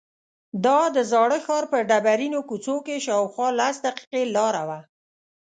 دا د زاړه ښار په ډبرینو کوڅو کې شاوخوا لس دقیقې لاره وه.